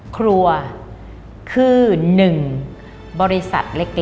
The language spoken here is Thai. ครัวคือหนึ่งบริษัทเล็กของคุณ